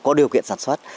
có điều kiện sản xuất